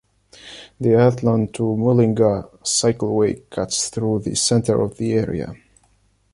The Athlone to Mullingar Cycleway cuts through the centre of the area.